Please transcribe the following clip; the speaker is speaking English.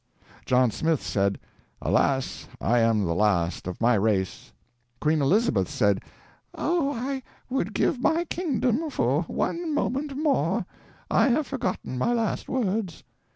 John Smith said, "Alas, I am the last of my race." Queen Elizabeth said, "Oh, I would give my kingdom for one moment more I have forgotten my last words."